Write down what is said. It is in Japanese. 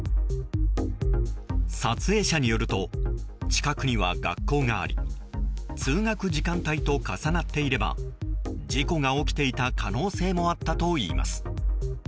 撮影者によると近くには学校があり通学時間帯と重なっていれば事故が起きていた可能性もあったといいます。